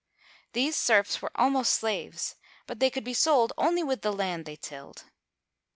These serfs were almost slaves, but they could be sold only with the land they tilled.